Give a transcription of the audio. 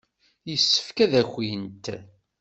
Yessefk ad d-akint.